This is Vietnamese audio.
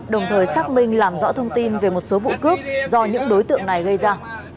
đồng thời xác minh làm rõ thông tin về một số vụ cướp do những đối tượng này gây ra